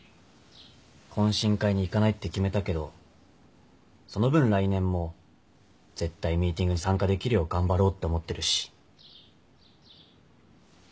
懇親会に行かないって決めたけどその分来年も絶対ミーティングに参加できるよう頑張ろうって思ってるし。